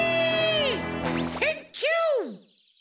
センキュー！